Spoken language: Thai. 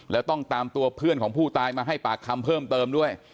แล้วต้องตามตัวเพื่อนของผู้ตายมาให้ปากคำเพิ่มเติมด้วย